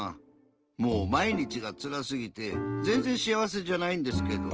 もうまいにちがつらすぎてぜんぜん幸せじゃないんですけど。